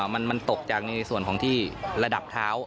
มันตกจากในส่วนของที่ระดับเท้า